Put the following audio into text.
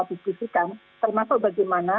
diskusikan termasuk bagaimana